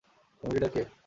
Gang leader K?